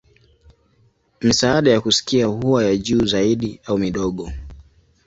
Misaada ya kusikia huwa ya juu zaidi au midogo.